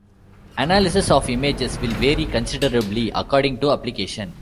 Analysis of images will vary considerably according to application.